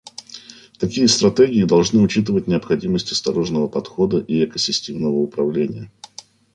Такие стратегии должны учитывать необходимость осторожного подхода и экосистемного управления.